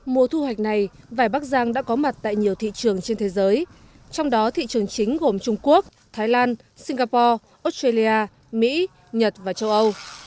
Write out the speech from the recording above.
mùa thu hoạch này vải bắc giang đã có mặt tại nhiều thị trường trên thế giới trong đó thị trường chính gồm trung quốc thái lan singapore australia mỹ nhật và châu âu